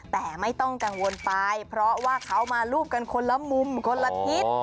แต่ไม่ต้องกังวลไปเพราะว่าเขามารูปกันคนละมุมคนละทิศ